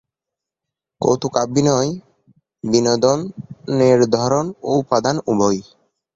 কৌতুকাভিনয় বিনোদনের ধরন ও উপাদান উভয়ই।